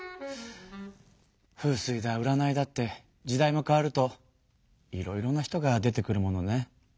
風水だ占いだって時代も変わるといろいろな人が出てくるものね。